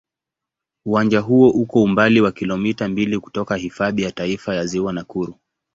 Uwanja huo uko umbali wa kilomita mbili kutoka Hifadhi ya Taifa ya Ziwa Nakuru.